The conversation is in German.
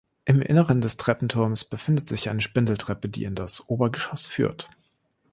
Im Inneren des Treppenturms befindet sich eine Spindeltreppe, die in das Obergeschoss führt.